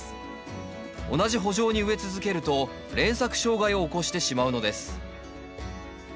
同じ圃場に植え続けると連作障害を起こしてしまうのです。